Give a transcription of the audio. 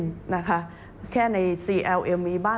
ประกอบกับต้นทุนหลักที่เพิ่มขึ้น